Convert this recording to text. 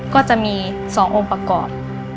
ก็จะมี๒องค์ประกอบ